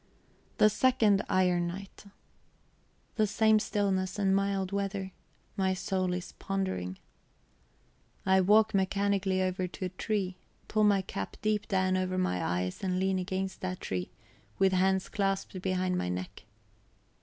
The second iron night; the same stillness and mild weather. My soul is pondering. I walk mechanically over to a tree, pull my cap deep down over my eyes, and lean against that tree, with hands clasped behind my neck.